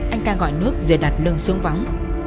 anh ta gọi nước rồi đặt lưng xuống vóng